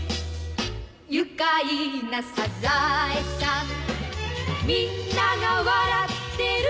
「愉快なサザエさん」「みんなが笑ってる」